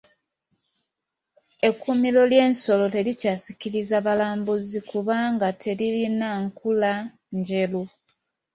Ekkuumiro ly'ensolo terikyasikiriza balambuzi kubanga teririna nkula njeru.